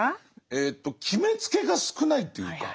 えと決めつけが少ないっていうか。